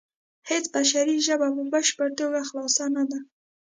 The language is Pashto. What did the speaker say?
هیڅ بشري ژبه په بشپړه توګه خالصه نه ده